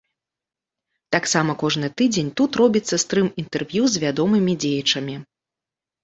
Таксама кожны тыдзень тут робіцца стрым-інтэрв'ю з вядомымі дзеячамі.